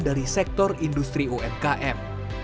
dari sektor industri umkm